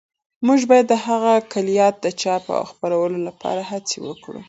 موږ باید د هغه د کلیات د چاپ او خپرولو لپاره هڅې وکړو.